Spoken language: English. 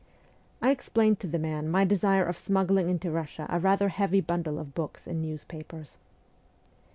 I explained to the man my desire of smuggling into Eussia a rather heavy bundle of books and newspapers.